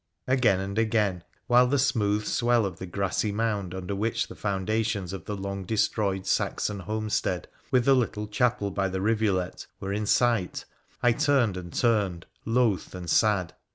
Again and again, while the smooth SAvell of the grassy mound under which the foundations of the long destroyed Saxon homestead with the little chapel by the rivulet were in sight, I turned and turned, loth and sad.